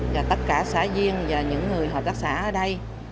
và tất cả xã viên và những người hợp tác xã ở đây